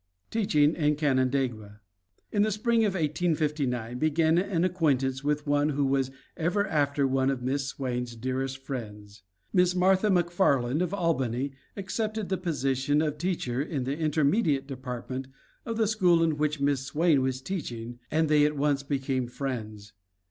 TEACHING IN CANANDAIGUA In the spring of 1859 began an acquaintance with one who was ever after one of Miss Swain's dearest friends. Miss Martha McFarland of Albany accepted the position of teacher in the intermediate department of the school in which Miss Swain was teaching and they at once became friends.